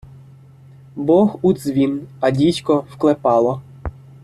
Бог — у дзвін, а дідько — в клепало.